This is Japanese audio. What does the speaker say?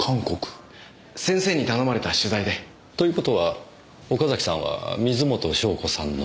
先生に頼まれた取材で。という事は岡崎さんは水元湘子さんの。